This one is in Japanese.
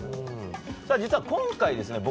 実は今回ですね